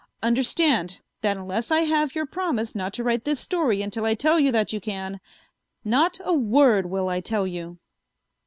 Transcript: Understand that unless I have your promise not to write this story until I tell you that you can, not a word will I tell you."